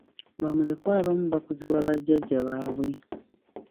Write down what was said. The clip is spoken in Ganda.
Bamulekwa abamu bakuzibwa bajjajja baabwe.